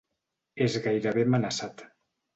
És gairebé amenaçat.